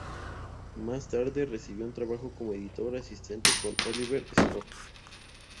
Más tarde, recibió un trabajo como editor asistente con Oliver Stone.